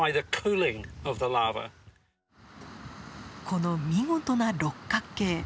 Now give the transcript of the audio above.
この見事な六角形。